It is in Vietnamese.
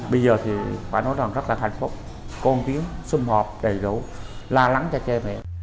bây giờ thì phải nói rằng rất là hạnh phúc con tiếng xung hợp đầy đủ la lắng cho chơi mẹ